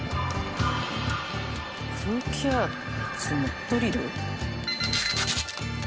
「空気圧のドリル」？